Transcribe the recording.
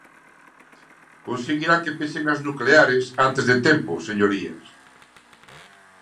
Conseguirán que pechen as nucleares antes de tempo, señorías.